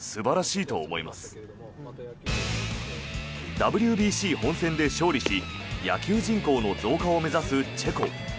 ＷＢＣ本戦で勝利し野球人口の増加を目指すチェコ。